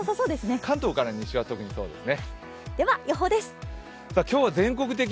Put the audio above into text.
関東から西は特にそうですね。